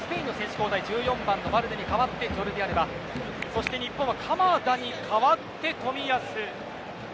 交代１４番のバルデに代わってジョルディ・アルバそして日本は鎌田に代わって冨安。